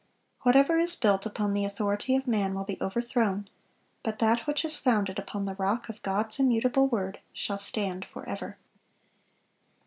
(429) Whatever is built upon the authority of man will be overthrown; but that which is founded upon the rock of God's immutable word shall stand forever.